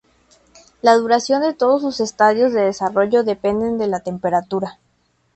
La duración de todos sus estadios de desarrollo depende de la temperatura.